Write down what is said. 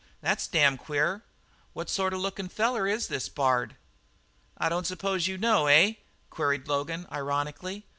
"That's damn queer. What sort of a lookin' feller is this Bard?" "I don't suppose you know, eh?" queried Logan ironically.